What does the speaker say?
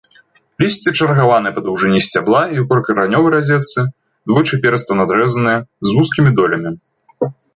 Лісце чаргаванае па даўжыні сцябла і ў прыкаранёвай разетцы, двойчыперыста-надрэзанае, з вузкім долямі.